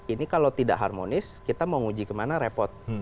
ini kalau tidak harmonis kita mau uji kemana repot